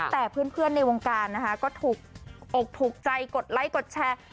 แต่เพื่อนในวงการนะคะก็ถูกอกถูกใจกดไลค์กดแชร์